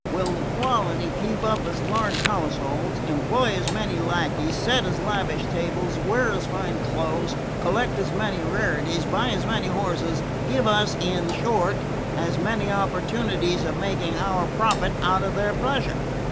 Will the quality keep up as large households, employ as many lacqueys, set as lavish tables, wear as fine clothes, collect as many rarities, buy as many horses, give us, in short, as many opportunities of making our profit out of their pleasure?